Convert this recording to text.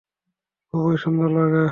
খুবই সুন্দর লাগে।